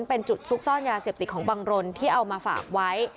เป็นจุดซุกซ่อนยาเสพติดของบังรนที่เอามาฝากไว้